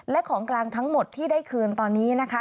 และของกลางทั้งหมดที่ได้คืนตอนนี้นะคะ